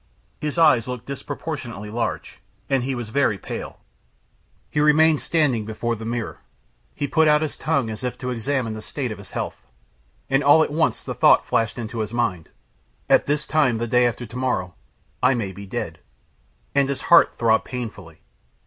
His eyes looked disproportionately large, and he was very pale. He remained standing before the mirror. He put out his tongue, as if to examine the state of his health, and all at once the thought flashed into his mind: "At this time the day after to morrow I may be dead." And his heart throbbed painfully.